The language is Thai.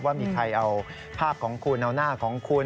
ว่ามีใครเอาภาพของคุณเอาหน้าของคุณ